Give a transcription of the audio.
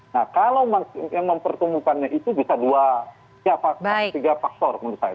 nah kalau yang mempertemukannya itu bisa dua tiga faktor menurut saya